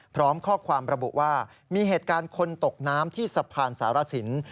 พร้อมข้อความระบุว่ามีเหตุการณ์คนตกน้ำที่สะพานสารสิน